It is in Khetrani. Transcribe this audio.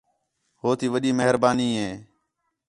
ہوتی وَݙی مہربانی ہے